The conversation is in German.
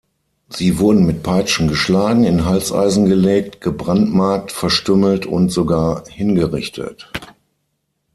Sie wurden mit Peitschen geschlagen, in Halseisen gelegt, gebrandmarkt, verstümmelt und sogar hingerichtet.